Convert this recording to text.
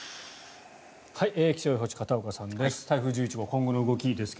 気象予報士、片岡さんです